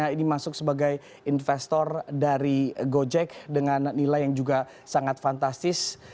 ini masuk sebagai investor dari gojek dengan nilai yang juga sangat fantastis